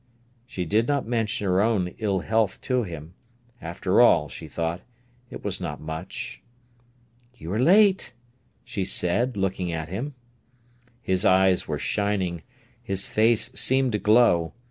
She did not mention her own ill health to him. After all, she thought, it was not much. "You are late!" she said, looking at him. His eyes were shining; his face seemed to glow.